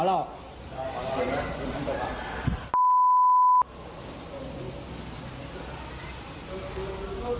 พอแล้ว